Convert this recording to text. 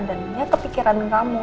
dan ya kepikiran kamu